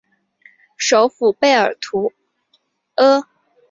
首府贝尔图阿。